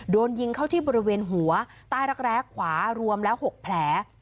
โดนยิงเข้าที่บริเวณหัวใต้รักแร้ขวารวมแล้ว๖แผล